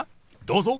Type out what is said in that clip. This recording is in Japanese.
どうぞ。